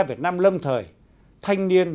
việt nam lâm thời thanh niên